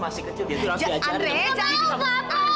masih kecil dia jelas diajarin